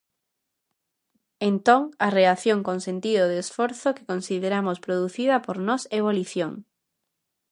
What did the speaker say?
Entón, á reacción con sentido do esforzo que consideramos producida por nós é volición.